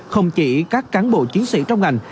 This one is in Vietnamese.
không chỉ các cán bộ chiến sĩ trong ngành